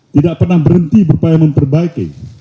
tidak pernah berhenti berupaya memperbaiki